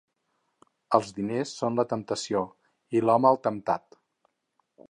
Els diners són la temptació i l'home el temptat.